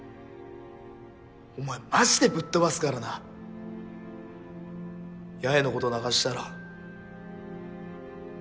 お前マジでぶっ飛ばすからな八重のこと泣かしたら。